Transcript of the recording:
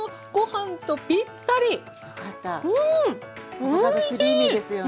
アボカドクリーミーですよね。